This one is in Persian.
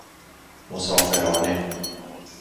مسافرانه